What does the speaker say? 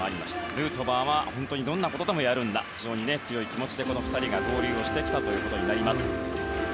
ヌートバーはどんなことでもやるんだと非常に強い気持ちでこの２人が合流してきたということになります。